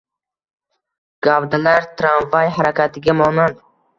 Gavdalar tramvay harakatiga monand.